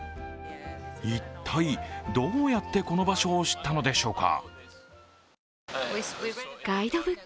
一体どうやってこの場所を知ったのでしょうか。